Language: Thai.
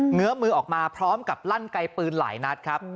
เหื้อมือออกมาพร้อมกับลั่นไกลปืนหลายนัดครับ